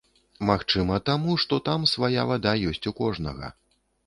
Магчыма, таму, што там свая вада ёсць у кожнага.